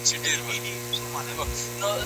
په لاس خط لیکل د پوهي سره د میني څرګندونه ده.